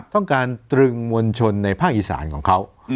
ต้องการตรึงมวลชนในภาคอีสานของเขา